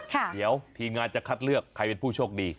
เดี๋ยวทีมงานจะคัดเลือกใครเป็นผู้โชคดี